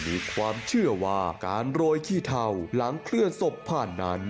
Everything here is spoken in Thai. มีความเชื่อว่าการโรยขี้เทาหลังเคลื่อนศพผ่านนั้น